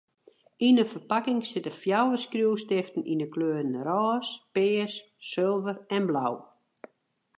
Yn in ferpakking sitte fjouwer skriuwstiften yn 'e kleuren rôs, pears, sulver en blau.